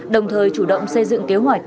đồng thời chủ động xây dựng kế hoạch